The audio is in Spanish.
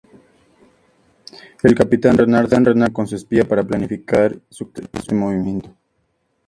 El capitán Renard se reúne con su espía para planificar su siguiente movimiento.